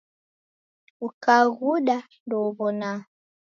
Ukaghuda ndeuw'onaa